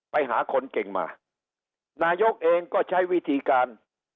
ไปหาคนเก่งมานายกเองก็ใช้วิธีการ